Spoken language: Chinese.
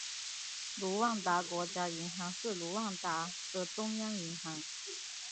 卢旺达国家银行是卢旺达的中央银行。